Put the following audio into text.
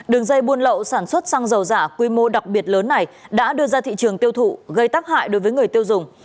đường dây buôn lậu sản xuất xăng dầu giả quy mô đặc biệt lớn này đã đưa ra thị trường tiêu thụ gây tác hại đối với người tiêu dùng